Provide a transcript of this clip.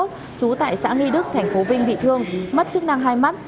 trú tại xã nghi đức tp vinh bị thương mất chức năng hai mắt